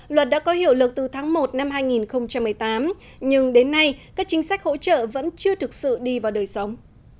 luật đã có hiệu lực từ tháng một năm hai nghìn một mươi tám nhưng đến nay các chính sách hỗ trợ vẫn chưa thực sự đi vào đời sống